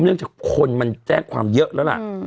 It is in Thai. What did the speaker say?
จากคนมันแจ้งความเยอะแล้วล่ะ